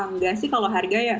enggak sih kalau harga ya